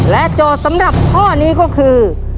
และจอสำหรับท่อนี้ก็คือ